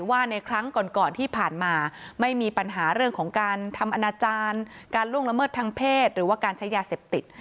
ว่าในครั้งก่อนก่อนที่ผ่านมาไม่มีปัญหาเรื่องของการทำอนาจารย์การล่วงละเมิดทางเพศหรือว่าการใช้ยาเสพติด